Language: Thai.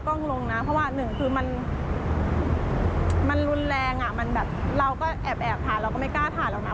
เพราะว่าหนึ่งคือมันรุนแรงเราก็แอบถ่ายเราก็ไม่กล้าถ่ายหรอกนะ